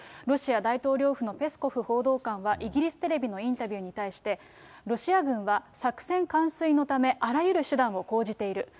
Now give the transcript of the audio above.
ロシア大統領府のペスコフ報道官はイギリステレビのインタビューに対して、ロシア軍は作戦完遂のため、あらゆる手段を講じている。